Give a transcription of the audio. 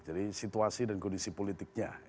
jadi situasi dan kondisi politiknya